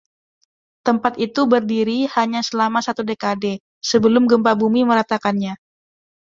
Tempat itu berdiri hanya selama satu dekade, sebelum gempa bumi meratakannya.